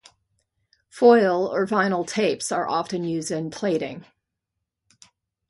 Foil or vinyl tapes are often used in plating.